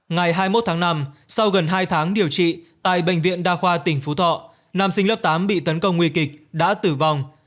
ngày hai mươi một tháng năm sau gần hai tháng điều trị tại bệnh viện đa khoa tỉnh phú thọ nam sinh lớp tám bị tấn công nguy kịch đã tử vong